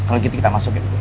kalau gitu kita masuk ya